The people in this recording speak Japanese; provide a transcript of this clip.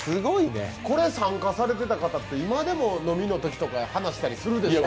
これ、参加されていた方って今でも飲みのときとか話されたりするでしょう。